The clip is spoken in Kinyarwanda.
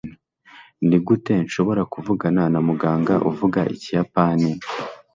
Nigute nshobora kuvugana na muganga uvuga ikiyapani?